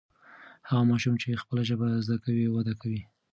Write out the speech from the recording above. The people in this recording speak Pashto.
هغه ماشوم چې خپله ژبه زده کوي وده کوي.